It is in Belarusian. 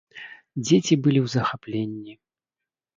Дзеці былі ў захапленні!